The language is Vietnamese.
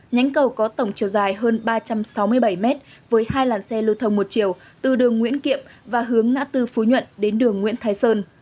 nhánh cầu có tổng chiều dài hơn ba trăm sáu mươi bảy m với hai làn xe lưu thông một chiều từ đường nguyễn kiệm và hướng ngã tư phú nhuận đến đường nguyễn thái sơn